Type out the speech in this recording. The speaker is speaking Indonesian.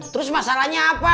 terus masalahnya apa